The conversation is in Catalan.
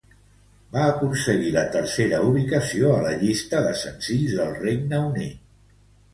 Va aconseguir la tercera ubicació a la llista de senzills del Regne Unit.